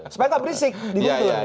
supaya tidak berisik di guntur